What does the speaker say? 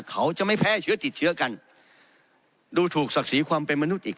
เขาจะไม่แพร่เชื้อติดเชื้อกันดูถูกศักดิ์ศรีความเป็นมนุษย์อีก